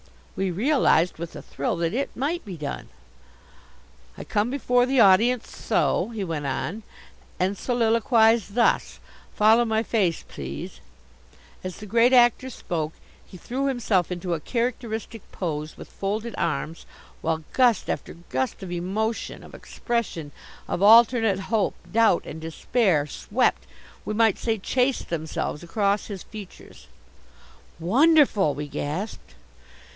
We realized with a thrill that it might be done. "I come before the audience so," he went on, "and soliloquize thus follow my face, please " As the Great Actor spoke, he threw himself into a characteristic pose with folded arms, while gust after gust of emotion, of expression, of alternate hope, doubt and despair, swept we might say chased themselves across his features. "Wonderful!" we gasped.